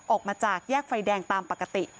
ออกมาจากแยกไฟแดงตามปกติ